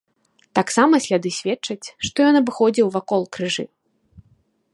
Таксама сляды сведчаць, што ён абыходзіў вакол крыжы.